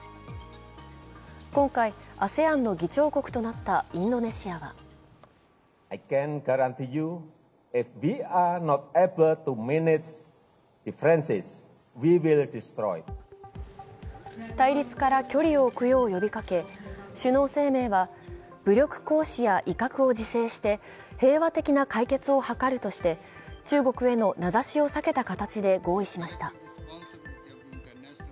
今回、ＡＳＥＡＮの議長国となったインドネシアは対立から距離を置くよう呼びかけ、首脳声明は武力行使や威嚇を自制して平和的な解決を図るとして、中国への名指しを避けた形で合意しました。